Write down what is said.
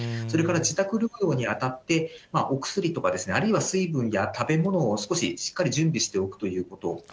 それから自宅療養にあたって、お薬とか、あるいは、水分や食べ物を少ししっかり準備しておくということ。